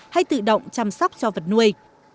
hay tự động chăm sóc cho vật nuôi